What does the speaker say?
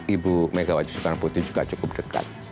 ibu megawati soekarno putri juga cukup dekat